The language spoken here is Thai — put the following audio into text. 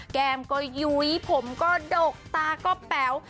แก้มก็ยุ้ยผมก็ดกตาก็แป๋ว